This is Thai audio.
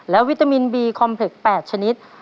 และวิตามินบีคอมเพล็ก๘ชนิด